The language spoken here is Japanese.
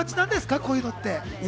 こういうのって。